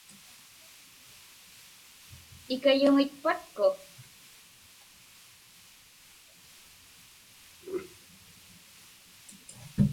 Ikayuŋitpatku?